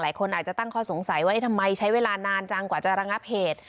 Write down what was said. หลายคนอาจจะตั้งข้อสงสัยว่าทำไมใช้เวลานานจังกว่าจะระงับเหตุ